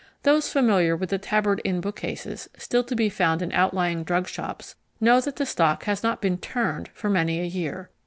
Those familiar with the Tabard Inn bookcases still to be found in outlying drug shops know that the stock has not been "turned" for many a year.